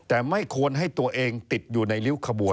แต่ไม่ควรให้ตัวเองติดอยู่ในริ้วขบวน